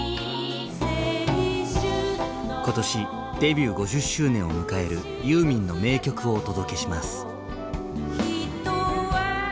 今年デビュー５０周年を迎える「ユーミン」の名曲をお届けします。